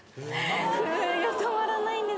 震えが止まらないんですけど。